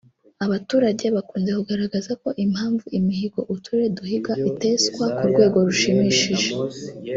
Abaturage bakunze kugaragaza ko impamvu imihigo uturere duhiga iteswa ku rwego rushimishije